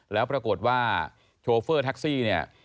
แล้วปรากฏว่าโชเฟอร์แท็กซี่เนี่ย